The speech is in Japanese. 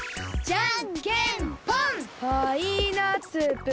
じゃんけんぽん！